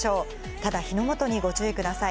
ただ火の元にご注意ください。